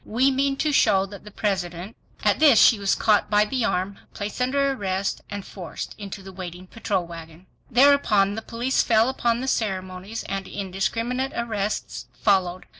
We mean to show that the President ...." She was caught by the arm, placed under arrest, and forced into the waiting patrol wagon. Thereupon the police fell upon the ceremonies, and indiscriminate arrests followed.